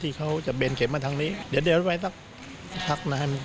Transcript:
ที่เขาจะเบนเข็มมาทางนี้เดี๋ยวเดินไปสักพักนาน